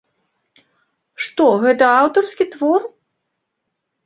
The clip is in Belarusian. Што гэта аўтарскі твор?